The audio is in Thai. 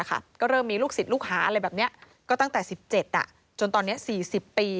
ก็เริ่มมีลูกศิษย์ลูกหาอะไรแบบนี้ก็ตั้งแต่๑๗จนตอนนี้๔๐ปี